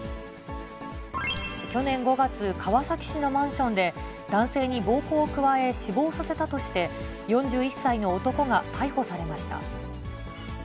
去年５月、川崎市のマンションで、男性に暴行を加え、死亡させたとして、４１歳の男が逮捕されました。